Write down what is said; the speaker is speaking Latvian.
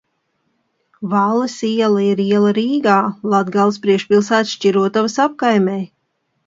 Valles iela ir iela Rīgā, Latgales priekšpilsētas Šķirotavas apkaimē.